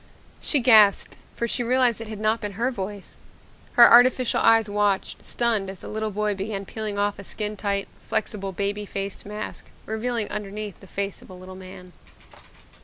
She gasped for she realized it had not been her voice. Her artificial eyes watched, stunned, as the little boy began peeling off a skin tight, flexible baby faced mask, revealing underneath the face of a little man.